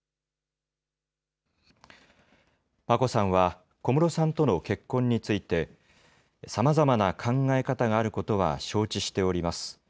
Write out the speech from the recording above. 眞子さんは、小室さんとの結婚について、さまざまな考え方があることは承知しております。